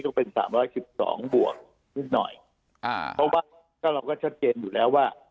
ก็เป็น๓๑๒บวกนิดหน่อยเพราะว่าเราก็ชัดเจนอยู่แล้วว่า